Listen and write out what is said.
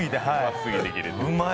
うまい。